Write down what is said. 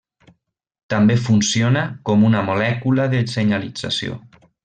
També funciona com una molècula de senyalització.